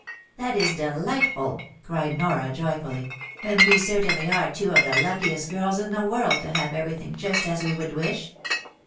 " That is delightful !" cried Nora, joyfully ;'* and we cer tainly are two of the luckiest girls in the world to have every thing just as we would wish